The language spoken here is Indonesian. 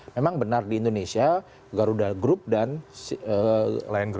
memang benar di indonesia garuda group dan lion grou